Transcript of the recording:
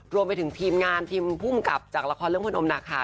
รวมไปถึงทีมงานทีมภูมิกับจากละครเรื่องพลอมหนักค่ะ